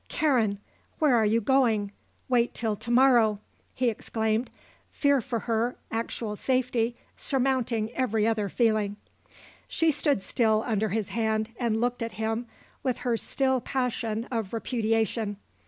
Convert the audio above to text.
"Karen! Where are you going? Wait till to morrow!" he exclaimed, fear for her actual safety surmounting every other feeling. She stood still under his hand and looked at him with her still passion of repudiation.